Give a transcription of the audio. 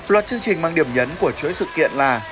loạt chương trình mang điểm nhấn của chuỗi sự kiện là